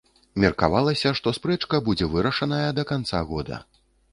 Меркавалася, што спрэчка будзе вырашаная да канца года.